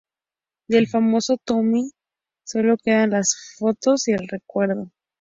Del famoso tumi solo quedan las fotos y el recuerdo.